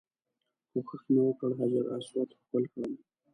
کوښښ مې وکړ حجر اسود ښکل کړم.